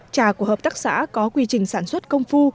trà của hợp tác xã có quy trình sản xuất công phu